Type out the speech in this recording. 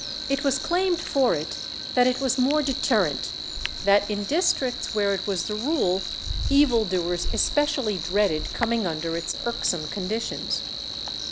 It was claimed for it that it was more deterrent; that in districts where it was the rule, evil doers especially dreaded coming under its irksome conditions.